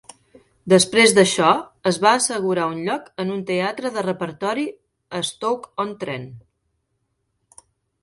Després d'això, es va assegurar un lloc en un teatre de repertori a Stoke-on-Trent.